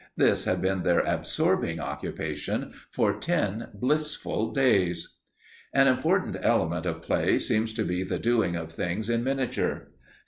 This had been their absorbing occupation for ten blissful days! An important element of play seems to be the doing of things in miniature.